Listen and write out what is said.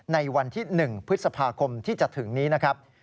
ในวันที่๑พฤษภาคมที่จะถึงนี้นะครับ